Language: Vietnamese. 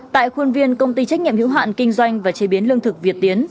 tại khuôn viên công ty trách nhiệm hữu hạn kinh doanh và chế biến lương thực việt tiến